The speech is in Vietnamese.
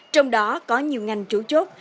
trong đó có nhiều ngành chủ chốt